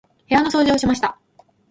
部屋の掃除をしました。